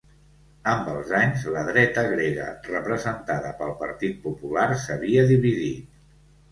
Amb els anys, la dreta grega, representada pel Partit Popular, s'havia dividit.